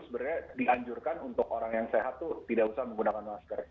sebenarnya dianjurkan untuk orang yang sehat itu tidak usah menggunakan masker